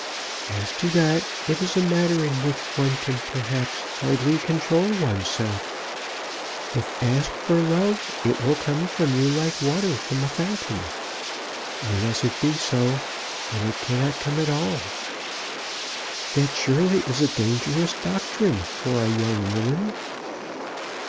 "As to that, it is a matter in which one can, perhaps, hardly control oneself. If asked for love it will come from you like water from a fountain. Unless it be so, then it cannot come at all." "That surely is a dangerous doctrine for a young woman."